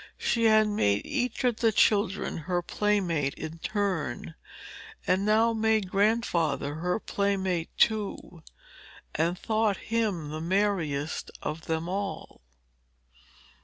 She had made each of the children her playmate in turn, and now made Grandfather her playmate too, and thought him the merriest of them all.